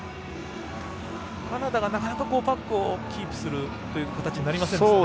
カナダがなかなかパックをキープするという形になりません。